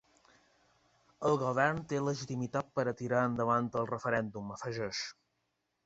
El govern té legitimitat per a tirar endavant el referèndum, afegeix.